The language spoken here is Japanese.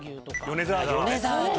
米沢牛ね！